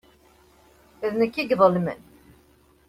D nekk i iḍelmen.